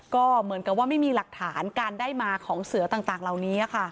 ก็เหมือนกับว่าไม่มีหลักฐานการได้มาของเสือต่างเหล่านี้